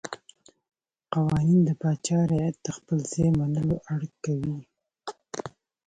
قوانین د پاچا رعیت ته خپل ځای منلو اړ کوي.